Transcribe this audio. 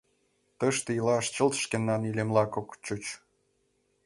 Тыште илаш чылт шкенан илемлак ок чуч.